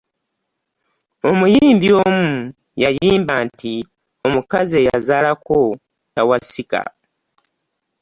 Omuyimbi omu yayimba nti omukazi eyazaalako tawasika.